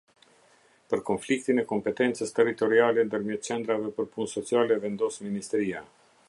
Për konfliktin e kompetencës territoriale ndërmjet Qendrave për Punë Sociale vendos Ministria.